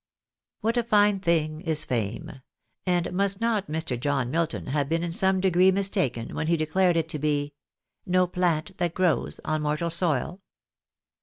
" What a fine thing is fame ! And must not Mr. John Milton have been in some degree mistaken, when he declared it to be No plant that grows on mortal soil